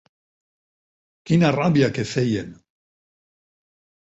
Quina ràbia que feien!